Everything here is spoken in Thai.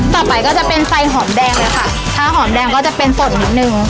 ต่อไปก็จะเป็นไซหอมแดงเลยค่ะถ้าหอมแดงก็จะเป็นสดนิดนึง